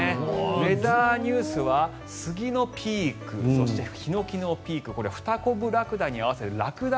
ウェザーニュースは杉のピークそして、ヒノキのピークフタコブラクダに合わせてらくだ